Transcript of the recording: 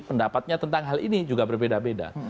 pendapatnya tentang hal ini juga berbeda beda